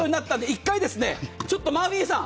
１回、ちょっとマーフィーさん